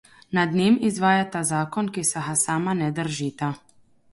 Nad njim izvajata zakon, ki se ga sama ne držita.